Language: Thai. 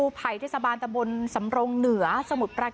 กลับด้านหลักหลักหลัก